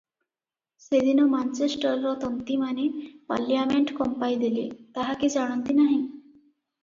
ସେଦିନ ମାଞ୍ଚେଷ୍ଟରର ତନ୍ତିମାନେ ପାର୍ଲିଆମେଣ୍ଟ କମ୍ପାଇଦେଲେ, ତାହା କି ଜାଣନ୍ତି ନାହିଁ?